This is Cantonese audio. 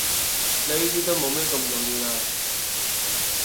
呢啲都無咁重要喇